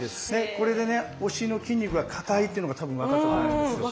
これでねお尻の筋肉が硬いっていうのが多分分かったと思うんですよ。